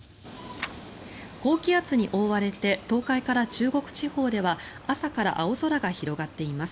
高気圧に覆われて東海から中国地方では朝から青空が広がっています。